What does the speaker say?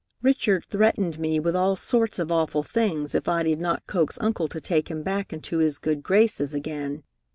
Richard threatened me with all sorts of awful things if I did not coax Uncle to take him back into his good graces again.